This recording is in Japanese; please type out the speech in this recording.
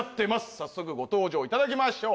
早速ご登場いただきましょう